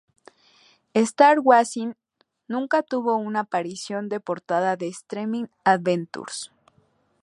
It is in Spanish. Star Hawkins nunca tuvo una aparición de portada de "Strange Adventures".